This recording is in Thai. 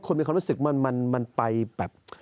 เขารู้สึกมันไปแบบ